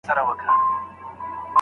پورته کښته سم په زور و زېر باڼه